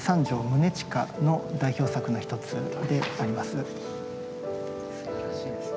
宗近の代表作の一つであります。